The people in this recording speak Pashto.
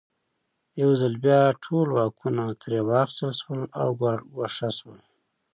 یو ځل بیا ټول واکونه ترې واخیستل شول او ګوښه شو.